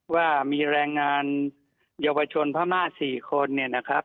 ว่ามีแรงงานเยาวชนพระมาศ๔คนนะครับ